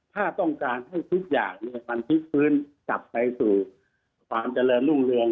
ถ้าต้องการให้ทุกอย่างมันพลิกฟื้นกลับไปสู่ความเจริญรุ่งเรือง